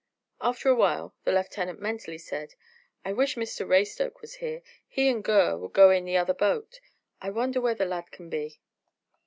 After a while, the lieutenant mentally said, "I wish Mr Raystoke was here, he and Gurr could go in the other boat. I wonder where the lad can be!"